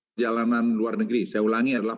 perjalanan luar negeri saya ulangi adalah